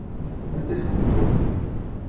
Anda-t wugur?